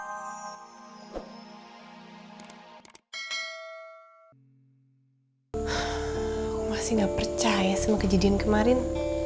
aku masih gak percaya sama kejadian kemarin